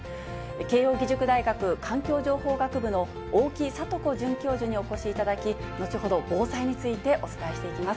慶応義塾大学環境情報学部の大木聖子准教授にお越しいただき、後ほど、防災についてお伝えしていきます。